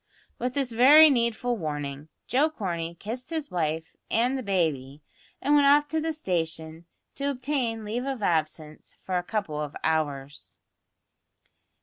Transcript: With this very needful warning, Joe Corney kissed his wife and the baby, and went off to the station to obtain leave of absence for a couple of hours.